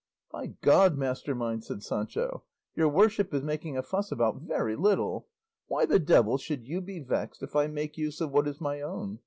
"By God, master mine," said Sancho, "your worship is making a fuss about very little. Why the devil should you be vexed if I make use of what is my own?